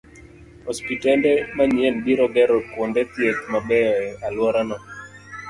Osiptende manyien biro gero kuonde thieth mabeyo e alworano